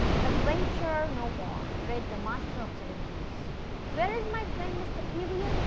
Adventurer no more,"' read the Master of Ceremonies. " Where is my friend Mr. Period